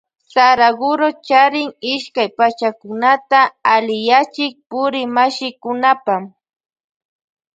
Saraguro charin ishkay pakchakunata alliyachin purikmashikunapa.